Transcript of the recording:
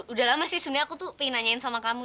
udah lama sih sebenarnya aku tuh pengen nanyain sama kamu